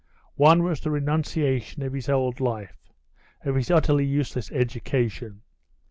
One was the renunciation of his old life, of his utterly useless education.